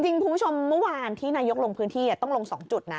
จริงคุณผู้ชมเมื่อวานที่นายกลงพื้นที่ต้องลง๒จุดนะ